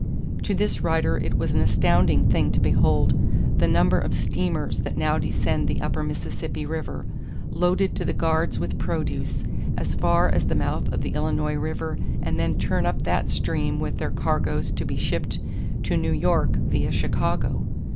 To this writer it was an astounding thing to behold "the number of steamers that now descend the upper Mississippi River, loaded to the guards with produce, as far as the mouth of the Illinois River and then turn up that stream with their cargoes to be shipped to New York via Chicago.